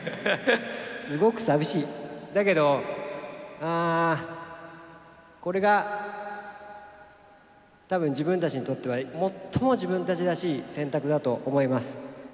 だけど、これがたぶん自分たちにとっては、最も自分たちらしい選択だと思います。